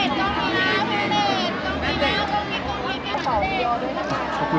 สวัสดีครับ